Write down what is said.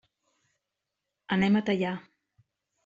Anem a Teià.